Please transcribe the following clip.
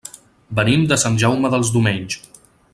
Venim de Sant Jaume dels Domenys.